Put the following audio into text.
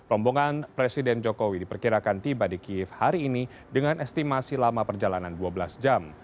rombongan presiden jokowi diperkirakan tiba di kiev hari ini dengan estimasi lama perjalanan dua belas jam